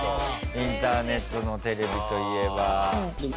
インターネットのＴＶといえば。